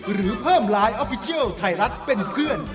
หรือเพิ่มไลน์ออฟฟิเชียลไทยรัฐเป็นเพื่อน